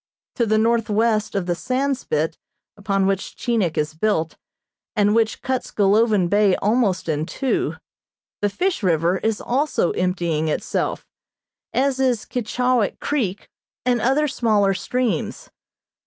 To the northwest of the sand spit upon which Chinik is built, and which cuts Golovin Bay almost in two, the Fish River is also emptying itself, as is Keechawik Creek and other smaller streams.